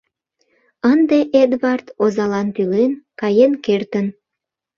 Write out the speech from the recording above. Ынде Эдвард, озалан тӱлен, каен кертын.